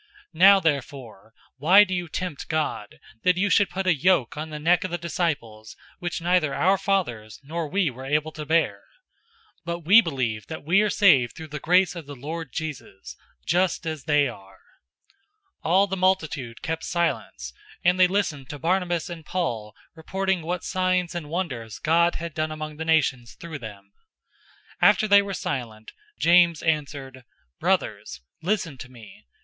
015:010 Now therefore why do you tempt God, that you should put a yoke on the neck of the disciples which neither our fathers nor we were able to bear? 015:011 But we believe that we are saved through the grace of the Lord Jesus,{TR adds "Christ"} just as they are." 015:012 All the multitude kept silence, and they listened to Barnabas and Paul reporting what signs and wonders God had done among the nations through them. 015:013 After they were silent, James answered, "Brothers, listen to me.